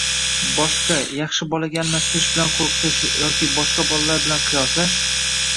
Boshqa, yaxshi bolaga almashtirish bilan qo‘rqitish yoki boshqa bolalar bilan qiyoslash.